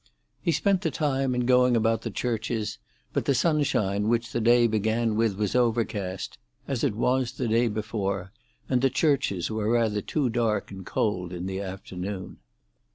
He spent the time in going about the churches; but the sunshine which the day began with was overcast, as it was the day before, and the churches were rather too dark and cold in the afternoon.